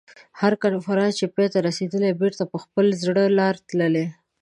هر کنفرانس چې پای ته رسېدلی بېرته په خپله زړه لاره تللي.